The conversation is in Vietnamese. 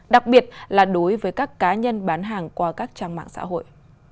đặc biệt là đối với các cá nhân bán hàng qua các trang mạng xã hội